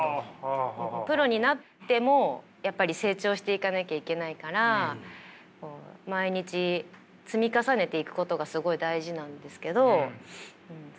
プロになってもやっぱり成長していかなきゃいけないから毎日積み重ねていくことがすごい大事なんですけどそれが足りないとか。